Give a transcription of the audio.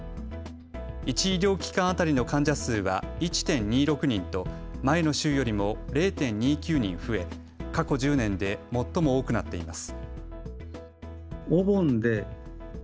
１医療機関当たりの患者数は１．２６人と前の週よりも０．２９人増え、過去１０年で最も多くなっています。